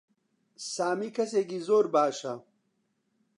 سامی کەسێکی زۆر باشە.